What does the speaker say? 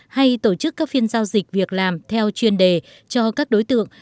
hay tổ chức các phiên giao dịch việc làm theo chuyên đề cho các đối tượng